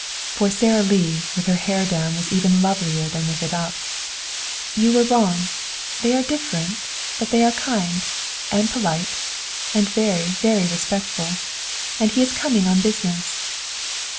For Sara Lee with her hair down was even lovelier than with it up. "You were wrong. They are different, but they are kind and polite. And very, very respectful. And he is coming on business."